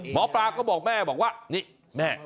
หมอปลาก็บอกแม่บอกว่านี่แม่